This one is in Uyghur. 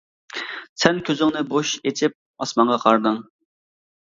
سەن كۆزۈڭنى بوش ئېچىپ ئاسمانغا قارىدىڭ.